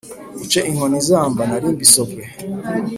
Uce inkoni zamba narimbisobwe